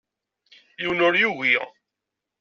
Yiwen ur yugi.